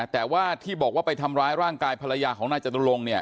แต่ว่าที่บอกว่าไปทำร้ายร่างกายภรรยาของนายจตุลงเนี่ย